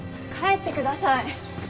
帰ってください。